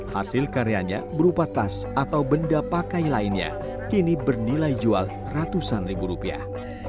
hasil karyanya berupa tas atau benda pakai lainnya kini bernilai jual ratusan ribu rupiah